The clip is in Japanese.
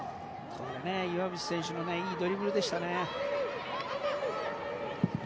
岩渕選手のいいドリブルでしたね。